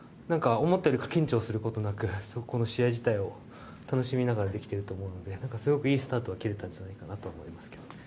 思ったより緊張することなく試合自体を楽しみながらできてると思うのですごくいいスタートを切れたんじゃないかと思います。